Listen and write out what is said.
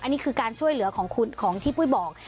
อันนี้คือการช่วยเหลือของที่ปุ้ยบอก